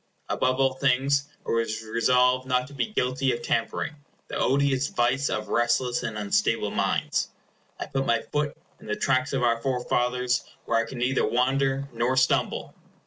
Above all things, I was resolved not to be guilty of tampering, the odious vice of restless and unstable minds. I put my foot in the tracks of our forefathers, where I can neither wander nor stumble.